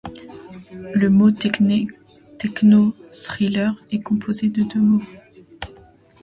Le mot techno-thriller est composé de deux mots.